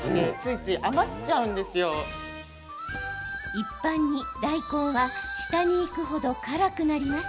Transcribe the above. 一般に大根は下にいく程、辛くなります。